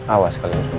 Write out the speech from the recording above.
awas kalian semua